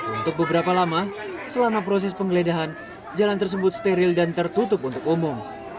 untuk beberapa lama selama proses penggeledahan jalan tersebut steril dan tertutup untuk umum